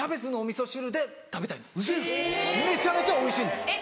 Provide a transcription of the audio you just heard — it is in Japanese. めちゃめちゃおいしいんです。